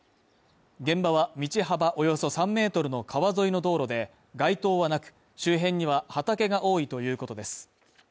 現場は道幅およそ３ｍの川沿いの道路で、街灯はなく、周辺には畑が多いということです